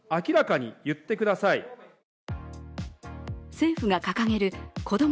政府が掲げる子ども